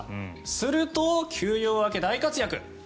すると、休養明け大活躍。